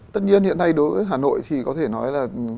tất nhiên hiện nay đối với hà nội thì có thể nói là